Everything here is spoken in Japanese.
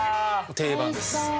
定番です。